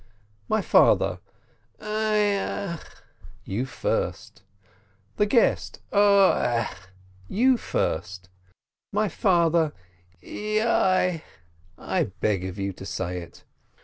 My father: "1 0 !" ("You first!") The guest: "0 ai !" ("You first!") My father: "E o i !" ("I beg of you to say it!")